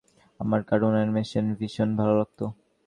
তবে আর্ট কলেজে থাকার সময় আমার কার্টুন অ্যানিমেশন ভীষণ ভালো লাগত।